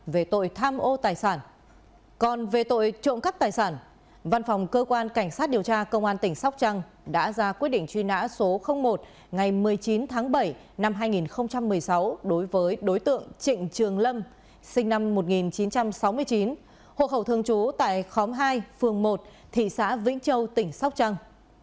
cũng phạm tội trộm cắt tài sản và phải nhận quyết định truy nã số hai mươi hai ngày ba mươi một tháng một mươi hai năm hai nghìn một mươi một của công an thị xã vĩnh châu tỉnh sóc trăng